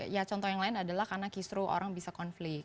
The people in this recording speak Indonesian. ya contoh yang lain adalah karena kisru orang bisa konflik